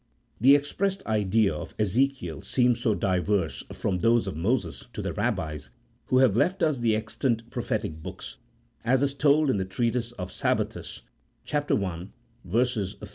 The expressed ideas of Ezekiel seemed so diverse from those of Moses to the Rabbis who have left us the extant prophetic books (as is told in the treatise of Sabbathus, i.